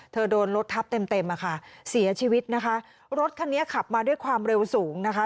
โดนรถทับเต็มเต็มอ่ะค่ะเสียชีวิตนะคะรถคันนี้ขับมาด้วยความเร็วสูงนะคะ